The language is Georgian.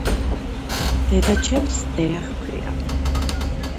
დედაჩემს დეა ჰქვია.